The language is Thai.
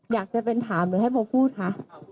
อยากจะเป็นถามหรือให้โบพูดคะ